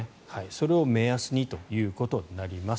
それを目安にということになります。